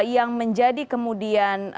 yang menjadi kemudian